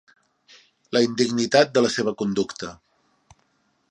La indignitat de la seva conducta.